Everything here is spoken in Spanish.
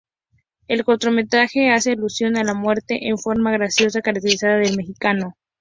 El cortometraje hace alusión a la muerte en forma graciosa, característica del mexicano.